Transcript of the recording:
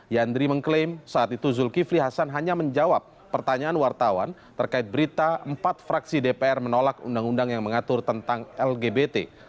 yandri mengklaim saat itu zulkifli hasan hanya menjawab pertanyaan wartawan terkait berita empat fraksi dpr menolak undang undang yang mengatur tentang lgbt